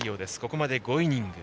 ここまで５イニング。